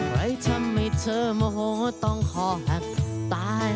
ไว้ทำให้เธอโมโหต้องคอหักตาย